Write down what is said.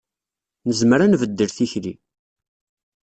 Nezmer ad nbeddel tikli.